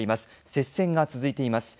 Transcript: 接戦が続いています。